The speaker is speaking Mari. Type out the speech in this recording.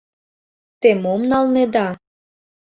Те мом налнеда?